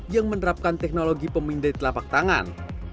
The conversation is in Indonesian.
yang menerapkan teknologi pemindai telapak tangan